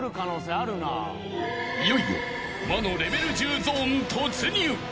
［いよいよ魔のレベル１０ゾーン突入］